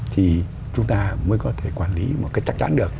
thì chúng ta mới có thể quản lý một cách chắc chắn được